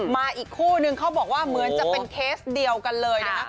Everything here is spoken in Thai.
มาอีกคู่นึงเขาบอกว่าเหมือนจะเป็นเคสเดียวกันเลยนะคะ